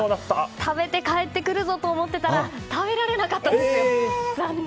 食べて帰ってくるぞと思ってたら食べられなかったんです。